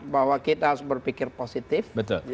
bahwa kita harus berpikir positif